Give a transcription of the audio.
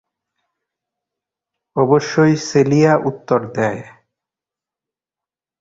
অবশ্যই, সেলিয়া উত্তর দেয়।